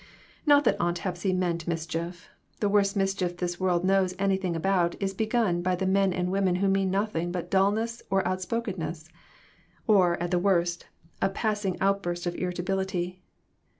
Not that Aunt Hepsy meant mischief; the worst mischief this world knows anything about is begun by the men and women who mean noth ing but dullness or outspokenness ; or, at the worst, a passing outburst of irritability.